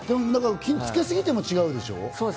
つけすぎても違うでしょう？